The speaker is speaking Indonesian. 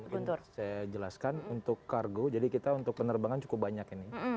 mungkin saya jelaskan untuk kargo jadi kita untuk penerbangan cukup banyak ini